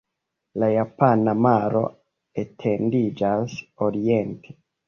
La Japana Maro etendiĝas oriente.